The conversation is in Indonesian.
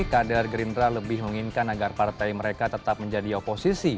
kader gerindra lebih menginginkan agar partai mereka tetap menjadi oposisi